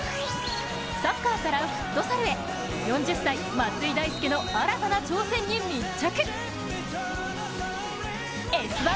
サッカーからフットサルへ４０歳・松井大輔の新たな挑戦に密着。